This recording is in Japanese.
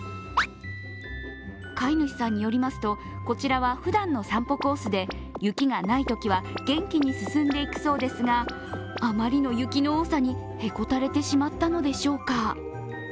飼い主さんによりますとこちらはふだんの散歩コースで雪がないときは元気に進んでいくそうですがあまりの雪の多さに、へこたれてしまったのでしょうか。